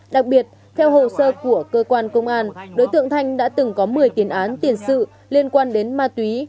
đặc biệt theo hồ sơ của cơ quan công an đối tượng thanh đã từng có một mươi tiền án tiền sự liên quan đến ma túy